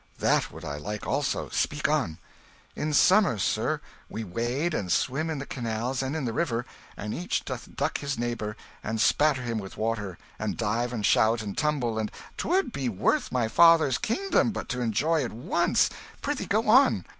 "That would I like also. Speak on." "In summer, sir, we wade and swim in the canals and in the river, and each doth duck his neighbour, and splatter him with water, and dive and shout and tumble and " "'Twould be worth my father's kingdom but to enjoy it once! Prithee go on."